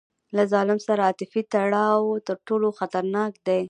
له ظالم سره عاطفي تړاو تر ټولو خطرناک بند دی.